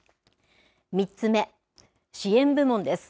３つ目、支援部門です。